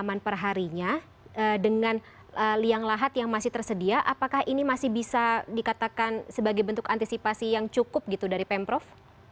pengalaman perharinya dengan liang lahat yang masih tersedia apakah ini masih bisa dikatakan sebagai bentuk antisipasi yang cukup gitu dari pemprov